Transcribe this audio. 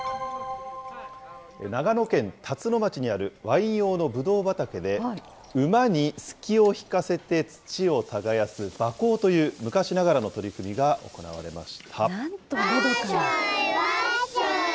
長野県辰野町にあるワイン用のぶどう畑で、馬にすきを引かせて土を耕す馬耕という昔ながらの取り組みが行わなんとのどかな。